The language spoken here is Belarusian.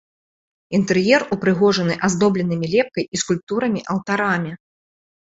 Інтэр'ер упрыгожаны аздобленымі лепкай і скульптурамі алтарамі.